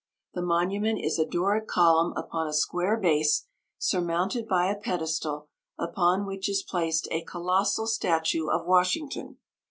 The monument is a Doric column upon a square base, surmounted by a pedestal, upon which is placed a colossal statue of Washington.